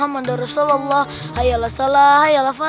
kamu jualan deh